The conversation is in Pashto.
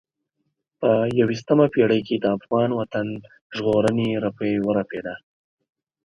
په یوه یشتمه پېړۍ کې د افغان وطن ژغورنې رپی ورپېده.